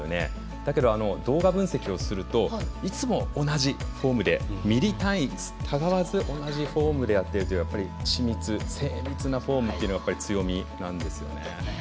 だけど、動画分析をするといつも同じフォームでミリ単位、たがわず同じフォームでやってるというのは緻密、精密なフォームというのが強みなんですよね。